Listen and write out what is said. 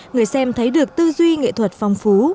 người xem thấy được tư duy nghệ thuật phong phú